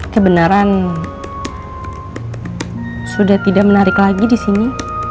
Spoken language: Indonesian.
kebenaran sudah tidak menarik lagi di sini